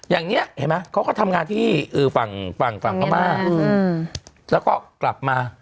อย่างนี้เขาก็ทำงานที่ฝั่งเกาะมาแล้วก็กลับมา